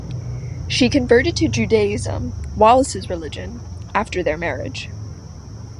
She converted to Judaism, Wallis's religion, after their marriage.